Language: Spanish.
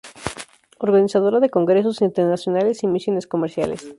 Organizadora de congresos internacionales y misiones comerciales.